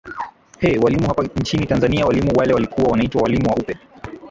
hee walimu hapa nchini tanzania walimu wale walikuwa wanaitwa walimu wa upe